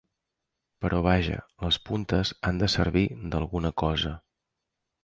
…Però vaja, les puntes han de servir d’alguna cosa.